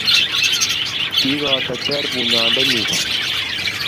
Kigoterter bunyondennyu